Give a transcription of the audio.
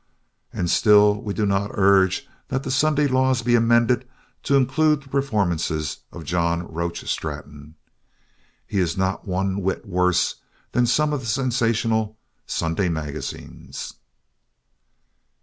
And still we do not urge that the Sunday Law be amended to include the performances of John Roach Straton. He is not one whit worse than some of the sensational Sunday magazines.